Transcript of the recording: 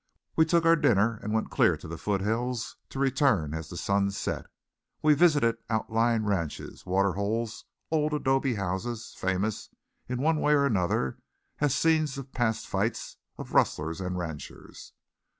We took our dinner and went clear to the foothills to return as the sun set. We visited outlying ranches, water holes, old adobe houses famous in one way or another as scenes of past fights of rustlers and ranchers.